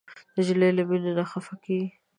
نجلۍ له مینې نه خفه کېږي.